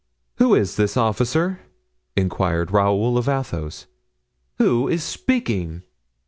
"Who is this officer," inquired Raoul of Athos, "who is speaking?"